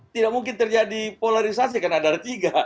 tidak mungkin terjadi polarisasi karena ada tiga